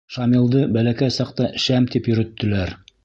Шамилды бәләкәй саҡта «Шәм» тип йөрөттөләр.